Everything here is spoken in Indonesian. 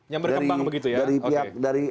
yang berkembang begitu ya dari